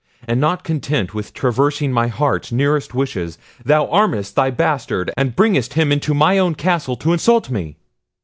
And not content with traversing my heart's nearest wishes, thou armest thy bastard, and bringest him into my own castle to insult me!"